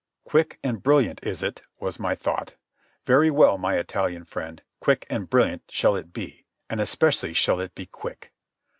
"Quick and brilliant is it?" was my thought. "Very well, my Italian friend, quick and brilliant shall it be, and especially shall it be quick."